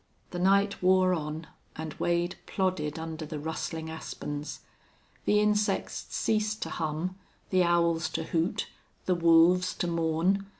The night wore on, and Wade plodded under the rustling aspens. The insects ceased to hum, the owls to hoot, the wolves to mourn.